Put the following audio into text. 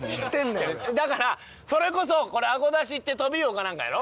だからそれこそこれ「あごだし」ってトビウオかなんかやろ？